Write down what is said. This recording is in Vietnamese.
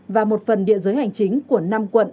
và một phần địa giới hành chính của năm quận